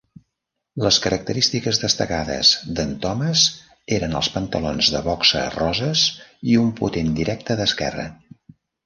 Les característiques destacades d'en Thomas eren els pantalons de boxa roses i un potent directe d'esquerra.